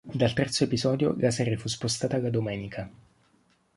Dal terzo episodio, la serie fu spostata alla domenica.